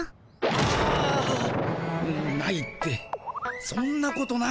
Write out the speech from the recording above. あ！なないってそんなことないだろ？